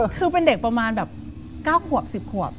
คือเป็นเด็กประมาณแบบ๙ขวบ๑๐ขวบ